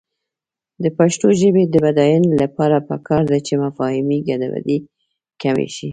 د پښتو ژبې د بډاینې لپاره پکار ده چې مفاهمې ګډوډي کمې شي.